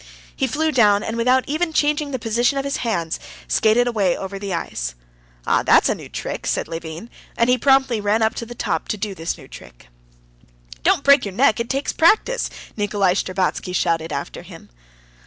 He flew down, and without even changing the position of his hands, skated away over the ice. "Ah, that's a new trick!" said Levin, and he promptly ran up to the top to do this new trick. "Don't break your neck! it needs practice!" Nikolay Shtcherbatsky shouted after him.